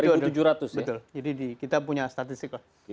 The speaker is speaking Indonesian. betul jadi kita punya statistik lah